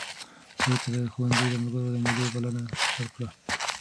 سعید ته د ښوونځي ملګرو د مېلې بلنه ورکړه.